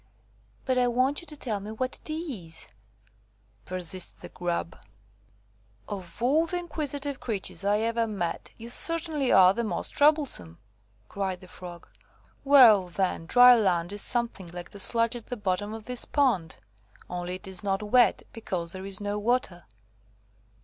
"But I want you to tell me what it is," persisted the Grub. "Of all the inquisitive creatures I ever met, you certainly are the most troublesome," cried the Frog. "Well, then, dry land is something like the sludge at the bottom of this pond, only it is not wet, because there is no water."